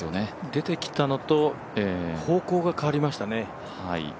出てきたのと方向が変わりましたね。